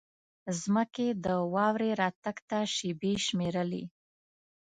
ځمکې د واورې راتګ ته شېبې شمېرلې.